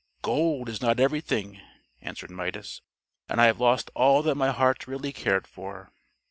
"Gold is not everything," answered Midas, "and I have lost all that my heart really cared for."